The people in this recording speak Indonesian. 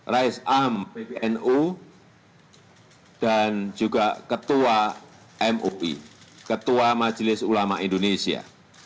risam bpnu dan juga ketua mui ketua majelis ulama indonesia